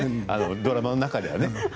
ドラマの中ではね。